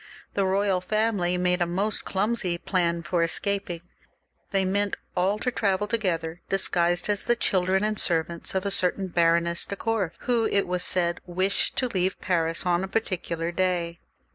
The royal family made a most clumsy plan for escaping. They meant all to travel together, disguised as the children and servants of a certain Baroness de Korff, who, it was said, wished to leave Paris on a particular day.